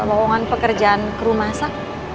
omongan pekerjaan kru masak